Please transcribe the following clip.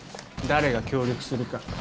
誰が協力するか。